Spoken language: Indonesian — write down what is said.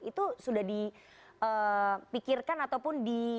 itu sudah dipikirkan ataupun